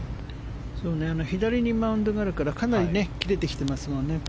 左にマウンドがあるからかなり切れてきてますよね。